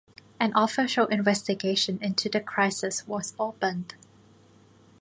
An official investigation into the crisis was opened.